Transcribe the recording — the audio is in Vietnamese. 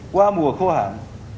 qua mùa khô hẳn